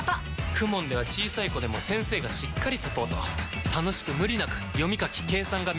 ＫＵＭＯＮ では小さい子でも先生がしっかりサポート楽しく無理なく読み書き計算が身につきます！